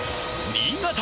新潟！